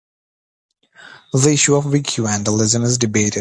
The issue of wiki vandalism is debated.